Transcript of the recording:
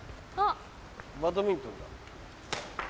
バドミントンだ。